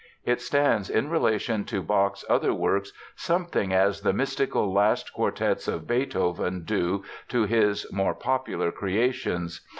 It stands in relation to Bach's other works something as the mystical last quartets of Beethoven do to his more popular creations.